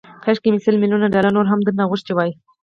کاشکي مې سل ميليونه ډالر نور هم درنه غوښتي وای